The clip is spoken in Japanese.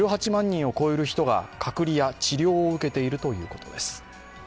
人を超える人が隔離や治療を受けているということです。